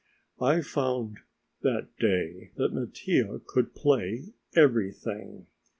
I found that day that Mattia could play everything.